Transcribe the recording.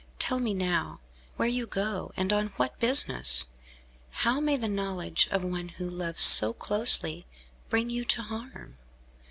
Tell me now, where you go, and on what business! How may the knowledge of one who loves so closely, bring you to harm?"